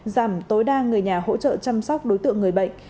giảm tối đa người nhà hỗ trợ chăm sóc đối tượng người bệnh